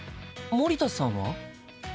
森田さんは？